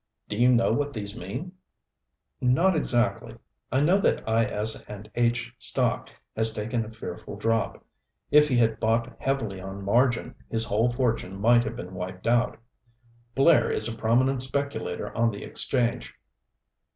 "Do you know what these mean " "Not exactly. I know that I. S. and H. stock has taken a fearful drop if he had bought heavily on margin his whole fortune might have been wiped out. Blair is a prominent speculator on the exchange.